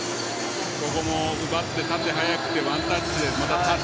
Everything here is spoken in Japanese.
ここも奪って、縦、速くてワンタッチで、また縦。